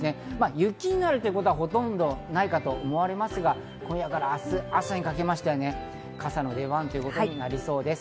雪になるということはほとんどないかと思われますが、今夜から明日朝にかけましては傘の出番ということになりそうです。